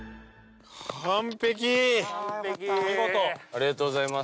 ありがとうございます。